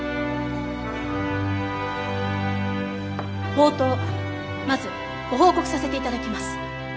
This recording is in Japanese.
冒頭まずご報告させて頂きます。